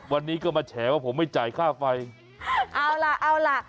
วันนี้ก็มาแฉว่าผมไม่จ่ายค่าไฟเอาล่ะเอาล่ะ